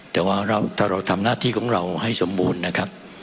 แต่ว่าถ้าเราทำหน้าที่ของเราให้สมบูรณ์นะครับ